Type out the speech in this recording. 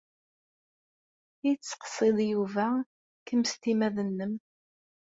I tessiqsiḍ Yuba kemm s timmad-nnem?